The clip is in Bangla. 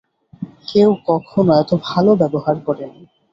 কেউ কখনো এত ভালো ব্যবহার করেনি।